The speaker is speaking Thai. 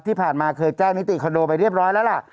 ที่ผ่านมาเคยแจ้งนิติคอนโดไปเรียบร้อยแล้วล่ะ